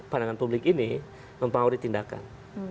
pandangan publik ini mempengaruhi tindakan